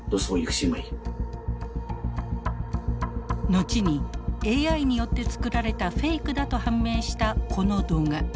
後にＡＩによって作られたフェイクだと判明したこの動画。